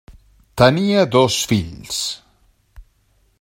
Tenia dos fills.